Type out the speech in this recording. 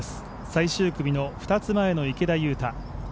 最終組の２つ前の池田勇太。